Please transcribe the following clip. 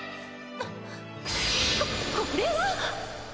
あっここれは！？